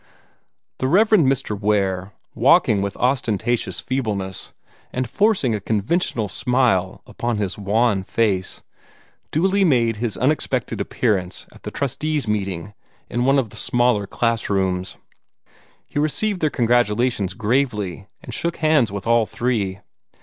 The Rev. Mr. Ware, walking with ostentatious feebleness, and forcing a conventional smile upon his wan face, duly made his unexpected appearance at the trustees' meeting in one of the smaller classrooms. He received their congratulations gravely, and shook hands with all three.